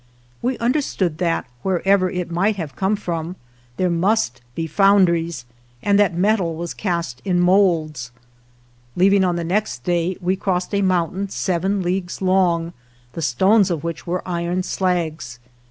We understood that, wherever it might have come from, there must be foundries, and that metal was cast in molds. 41 Leaving on the next day, we crossed a mountain seven leagues long, the stones of which were iron slags.